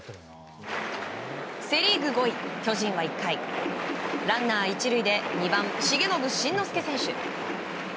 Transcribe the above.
セ・リーグ５位、巨人は１回ランナー１塁で２番、重信慎之介選手。